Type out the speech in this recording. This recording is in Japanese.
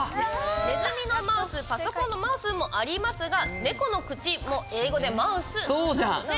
ねずみのマウスパソコンのマウスもありますが猫の口も英語で「ｍｏｕｔｈ」なんですよね。